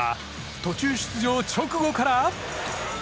途中出場直後から。